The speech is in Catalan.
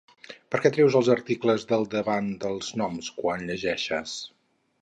Perquè treus els articles de davant dels noms quan llegeixes?